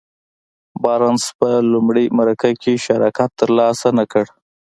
بارنس په لومړۍ مرکه کې شراکت تر لاسه نه کړ.